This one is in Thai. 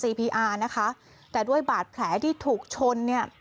พีอาร์นะคะแต่ด้วยบาดแผลที่ถูกชนเนี่ย